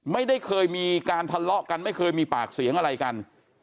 ไม่เคยมีการทะเลาะกันไม่เคยมีปากเสียงอะไรกัน